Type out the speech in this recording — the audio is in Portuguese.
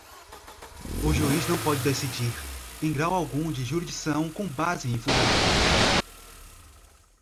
O juiz não pode decidir, em grau algum de jurisdição, com base em fundamento